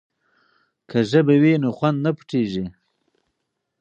که ژبه وي نو خوند نه پټیږي.